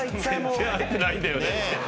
全然会えてないんだよって。